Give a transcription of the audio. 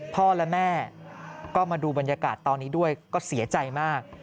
พ่อและแม่ก็มาดูบรรยากาศตอนนี้ด้วยก็เสียใจมาก